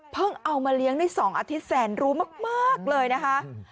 เอามาเลี้ยงได้๒อาทิตย์แสนรู้มากเลยนะคะ